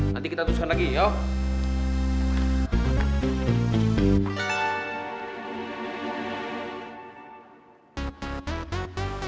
nanti kita teruskan lagi yuk